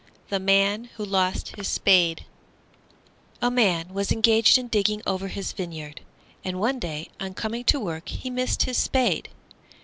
THE MAN WHO LOST HIS SPADE A Man was engaged in digging over his vineyard, and one day on coming to work he missed his Spade.